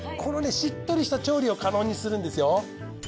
しっとりした調理を可能にするんですよ。